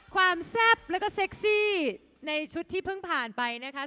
แซ่บแล้วก็เซ็กซี่ในชุดที่เพิ่งผ่านไปนะคะ